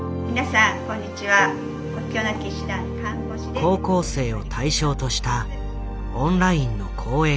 高校生を対象としたオンラインの講演会。